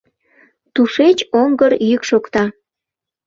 Тушеч оҥгыр йӱк шокта.